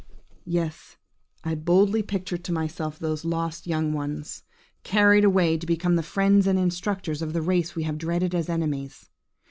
Yes! I boldly picture to myself those lost young ones, carried away to become the friends and instructors of the race we have dreaded as enemies.